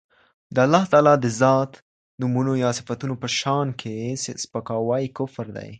د الله تعالی د ذات، نومونو يا صفتونو په شان کي سپکاوی کفر دی.